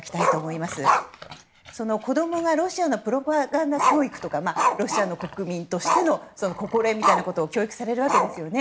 その子供がロシアのプロパガンダ教育とかロシアの国民としての心得みたいなものを教育されるわけですね。